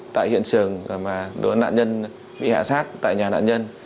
tại hiện trường mà đối với nạn nhân bị hạ sát tại nhà nạn nhân